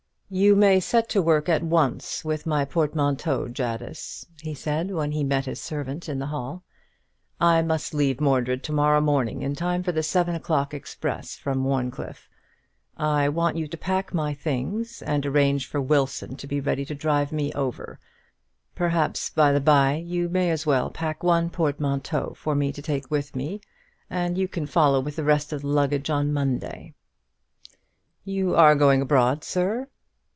"You may set to work at once with my portmanteau, Jadis," he said, when he met his servant in the hall. "I must leave Mordred to morrow morning in time for the seven o'clock express from Warncliffe. I want you to pack my things, and arrange for Wilson to be ready to drive me over. I must leave here at six. Perhaps, by the bye, you may as well pack one portmanteau for me to take with me, and you can follow with the rest of the luggage on Monday." "You are going abroad, sir?"